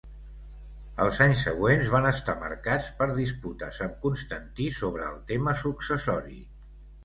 Els anys següents van estar marcats per disputes amb Constantí sobre el tema successori.